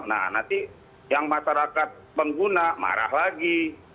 nah nanti yang masyarakat pengguna marah lagi